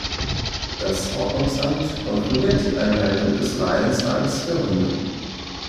Das Ordnungsamt kontrolliert die Einhaltung des Leinenzwangs für Hunde.